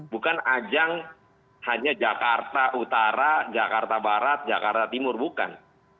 bukan ajang hanya jakarta utara jakarta barat jakarta timur bukan